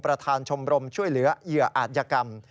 ประธานชมรมช่วยเหลือเหยื่ออาจยกรรม